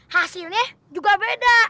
hasilnya juga beda